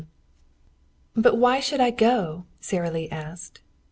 XV "But why should I go?" Sara Lee asked.